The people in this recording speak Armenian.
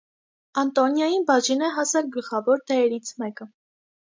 Անտոնիային բաժին է հասել գլխավոր դերերից մեկը։